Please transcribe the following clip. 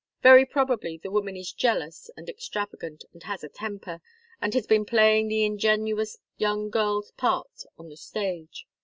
Very probably the woman is jealous and extravagant, and has a temper, and has been playing the ingenuous young girl's parts on the stage.